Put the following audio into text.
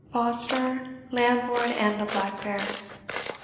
Foster, Lambourne, and the Black Bear.